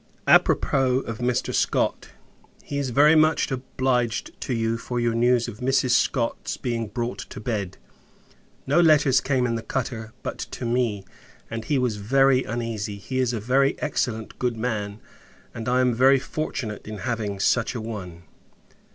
A propos of Mr. Scott. He is very much obliged to you for your news of Mrs. Scott's being brought to bed. No letters came in the cutter, but to me, and he was very uneasy. He is a very excellent good man; and, I am very fortunate in having such a one.